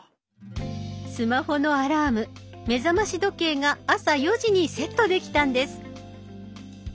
スマホのアラーム目覚まし時計が朝４時にセットできたんです。